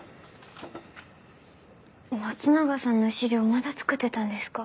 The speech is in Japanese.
松永さんの資料まだ作ってたんですか？